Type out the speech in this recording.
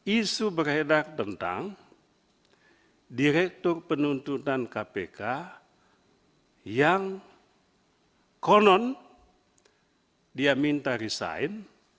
isu beredar tentang direktur penuntutan kpk yang konon dia minta resign